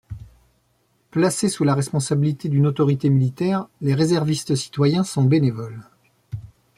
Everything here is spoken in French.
Placés sous la responsabilité d'une autorité militaire, les réservistes citoyens sont bénévoles.